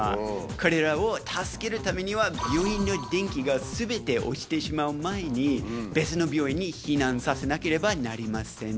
彼らを助けるためには、病院の電気がすべて落ちてしまう前に、別の病院に避難させなければなりません。